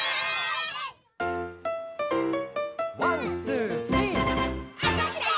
「ワンツースリー」「あそびたい！